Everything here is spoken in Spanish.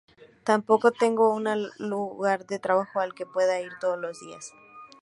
Tampoco tengo un lugar de trabajo al que pueda ir todos los días.